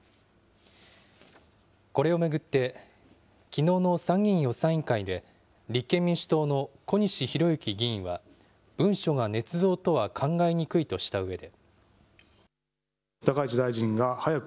これを巡って、きのうの参議院予算委員会で立憲民主党の小西洋之議員は、文書がねつ造とは考えにくいとしたうえで。